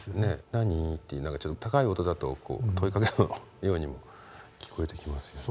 「何？」ってちょっと高い音だと問いかけてるようにも聞こえてきますね。